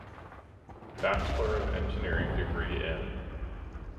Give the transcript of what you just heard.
Bachelor of Engineering degree in